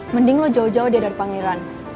mending lo jauh jauh dia dari pangeran